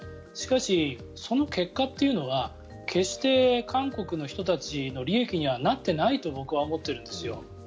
しかし、その結果というのは決して韓国の人たちの利益にはなってないと僕は思っているんですよ。